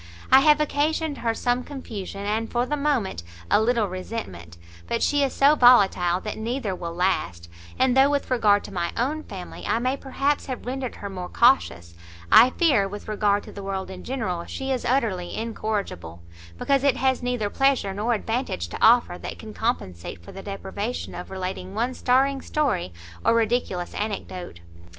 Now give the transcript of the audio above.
I have occasioned her some confusion, and, for the moment, a little resentment; but she is so volatile that neither will last; and though, with regard to my own family, I may perhaps have rendered her more cautious, I fear, with regard to the world in general, she is utterly incorrigible, because it has neither pleasure nor advantage to offer, that can compensate for the deprivation of relating one staring story, or ridiculous anecdote."